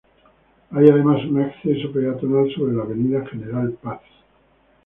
Hay además un acceso peatonal sobre la Avenida General Paz.